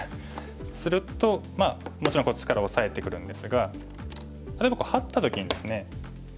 するともちろんこっちからオサえてくるんですが例えばハッた時にですね